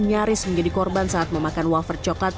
nyaris menjadi korban saat memakan wafer coklat